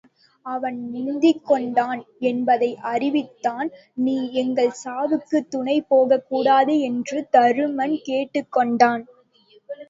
அவன் முந்திக் கொண்டான் என்பதை அறிவித்தான் நீ எங்கள் சாவுக்குத் துணை போகக்கூடாது என்று தருமன் கேட்டுக் கொண்டான்.